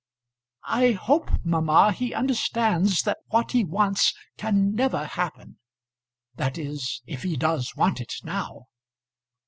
"I hope, mamma, he understands that what he wants can never happen; that is if he does want it now?"